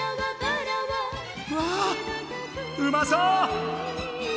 うわあうまそう！